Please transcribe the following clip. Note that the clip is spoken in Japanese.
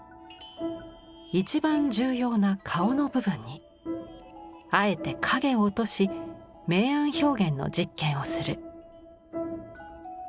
一番重要な顔の部分にあえて影を落とし明暗表現の実験をする。